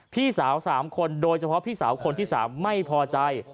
พี่สาว๓คนโดยเฉพาะพี่สาวคนที่๓ไม่พอใจ